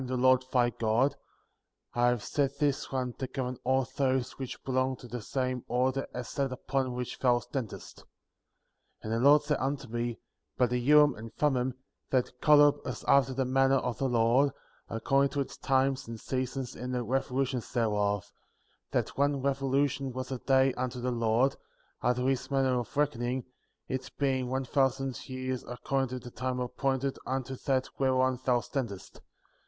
61 Lord thy God; I have set this one to govern all those which belong to the same order as that upon which thou standest.^ 4. And the Lord said unto me, by the Urim and Thummim,^ that Kolob^ was after the manner of the Lord, according to its times and seasons in the revo lutions thereof; that one revolution was a day unto the Lord, after his manner of reckoningjfi' it being one thousand years'^ according to the time appointed unto that whereon thou standest.